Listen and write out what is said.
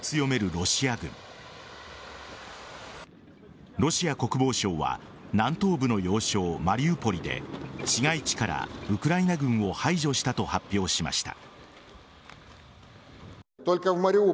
ロシア国防省は南東部の要衝・マリウポリで市街地からウクライナ軍を排除したと発表しました。